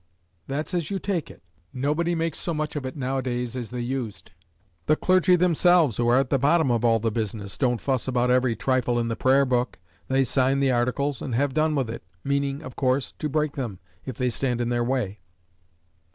"That's as you take it. Nobody makes so much of it nowadays as they used. The clergy themselves, who are at the bottom of all the business, don't fuss about every trifle in the prayer book. They sign the articles, and have done with it meaning, of course, to break them, if they stand in their way."